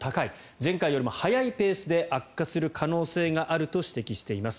前回よりも速いペースで悪化する可能性があると指摘しています。